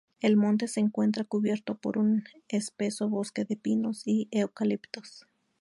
El monte se encuentra cubierto por un espeso bosque de pinos y eucaliptos.